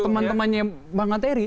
teman temannya bang ateri